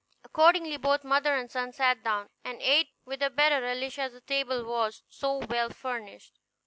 Accordingly, both mother and son sat down, and ate with the better relish as the table was so well furnished.